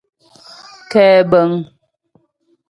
Kɛ́bə̀ŋ.